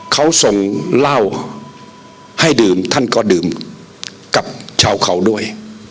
เขาส่งเหล้าให้ดื่มท่านก็ดื่มกับชาวเขาด้วย